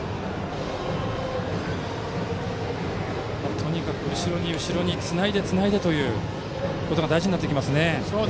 とにかく後ろに、後ろにつないでいくことが大事になってきますね。